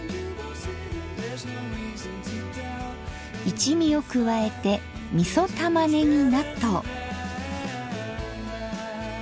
一味を加えてみそたまねぎ納豆。